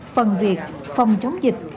phần việc phòng chống dịch